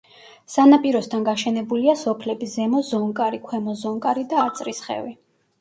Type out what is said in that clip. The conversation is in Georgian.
სანაპიროსთან გაშენებულია სოფლები: ზემო ზონკარი, ქვემო ზონკარი და აწრისხევი.